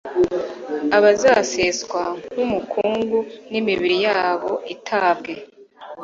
azaseswa nk umukungugu n imibiri yabo itabwe